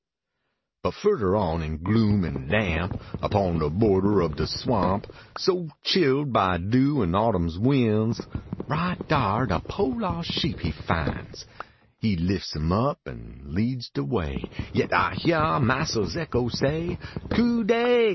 J43 But ftmler on in gloom an damp, Upon de border ob de swamp ; So chill d by dew an autumn win s, Right dar de po los sheep he fin s ; He lifts him up, an leads de way, Yit I hyar massa s echo say, Cu dey